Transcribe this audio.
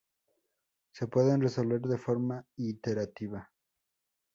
Se pueden resolver de forma iterativa.